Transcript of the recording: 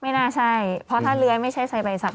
ไม่น่าใช่เพราะถ้าเลื้อยไม่ใช่ใส่ใบสับ